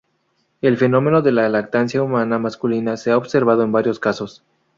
El fenómeno de la lactancia humana masculina se ha observado en varios casos.